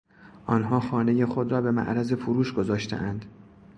آنها خانهی خود را به معرض فروش گذاشتهاند.